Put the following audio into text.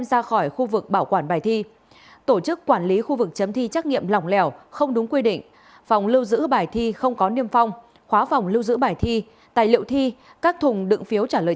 xin chào và hẹn gặp lại